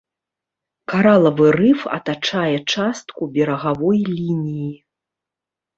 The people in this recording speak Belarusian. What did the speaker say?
Каралавы рыф атачае частку берагавой лініі.